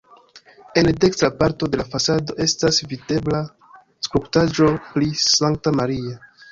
En dekstra parto de la fasado estas videbla skulptaĵo pri Sankta Maria.